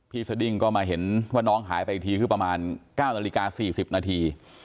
สดิ้งก็มาเห็นว่าน้องหายไปอีกทีคือประมาณ๙นาฬิกา๔๐นาที